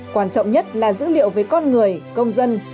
quan trọng nhất là dữ liệu về con người công dân